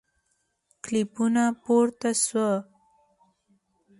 کلیپونه پورته سوه